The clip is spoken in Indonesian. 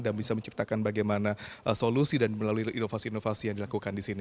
dan bisa menciptakan bagaimana solusi dan melalui inovasi inovasi yang dilakukan di sini